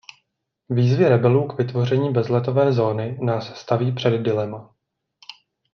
Výzvy rebelů k vytvoření bezletové zóny nás staví před dilema.